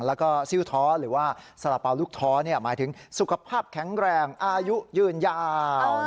แล้วก็ซิลท้อหรือว่าสละเป๋าลูกท้อหมายถึงสุขภาพแข็งแรงอายุยืนยาว